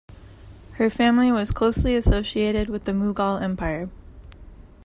Her family was closely associated with the Mughal empire.